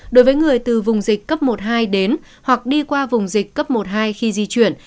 đối với người từ vùng dịch cấp một hai đến hoặc đi qua vùng dịch cấp một hai khi di chuyển